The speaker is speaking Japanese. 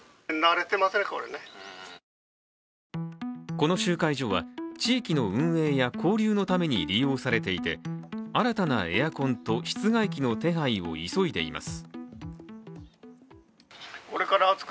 この集会所は、地域の運営や交流のために利用されていて新たなエアコンと室外機の手配を急いでいます。